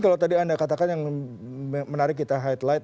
kalau tadi anda katakan yang menarik kita highlight